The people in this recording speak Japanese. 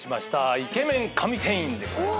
イケメン神店員でございます。